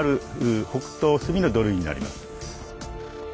北東隅の土塁になります。